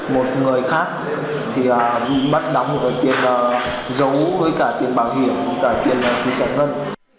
một người khác thì bắt đóng một cái tiền giấu với cả tiền bảo hiểm cả tiền phí sản ngân